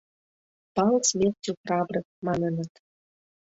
«пал смертью храбрых» маныныт.